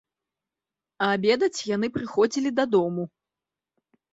Абедаць яны прыходзілі дадому.